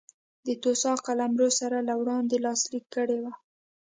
د توسا قلمرو سره له وړاندې لاسلیک کړی و.